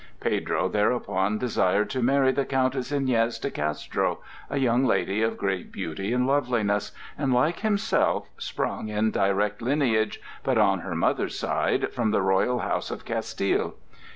Pedro thereupon desired to marry the countess Iñez de Castro, a young lady of great beauty and loveliness, and, like himself, sprung in direct lineage, but on her mother's side, from the royal house of Castile.